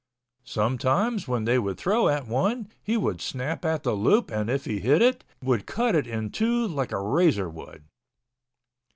Sometimes when they would throw at one, he would snap at the loop and if he hit it, would cut it in two like a razor would.